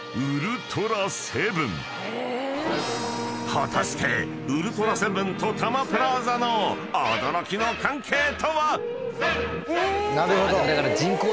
［果たして『ウルトラセブン』とたまプラーザの驚きの関係とは⁉］